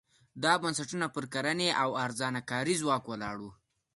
دا بنسټونه پر کرنې او ارزانه کاري ځواک ولاړ وو.